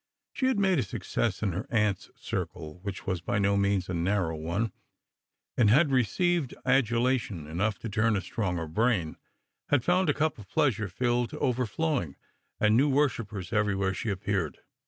She had made a success in her aunt's circle, which was by no means a narrow one, and had received adulation enough to turn a stronger brain ; had found the cup of pleasure filled to overflowing, and new worshipj^era everywhere she appeared.